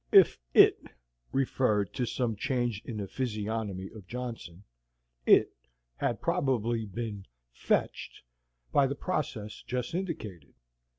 If "it" referred to some change in the physiognomy of Johnson, "it" had probably been "fetched" by the process just indicated.